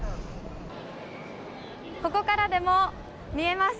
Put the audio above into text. ここからでも見えます。